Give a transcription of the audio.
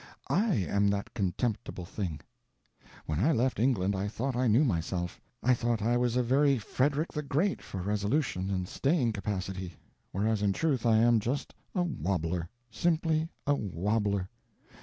I am that contemptible thing. When I left England I thought I knew myself; I thought I was a very Frederick the Great for resolution and staying capacity; whereas in truth I am just a Wobbler, simply a Wobbler.